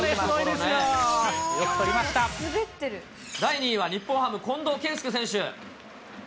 第２位は、日本ハム、近藤健介選手。